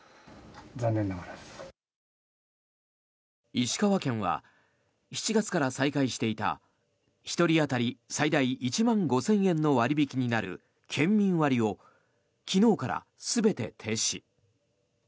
石川県は７月から再開していた１人当たり最大１万５０００円の割引になる県民割を昨日から全て停止。